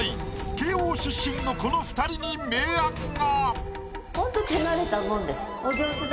慶應出身のこの二人に明暗が！